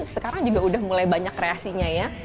sekarang juga udah mulai banyak kreasinya ya